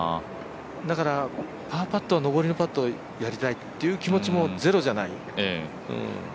だから、パーパットは上りのパットでやりたいという気持ちもゼロじゃない。